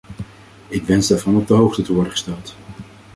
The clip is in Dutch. Ik wens daarvan op de hoogte te worden gesteld.